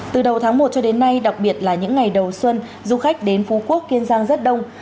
từ đầu tháng một cho đến nay đặc biệt là những ngày đầu xuân du khách đến phú quốc kiên giang rất đông